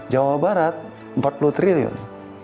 jawa barat empat puluh triliun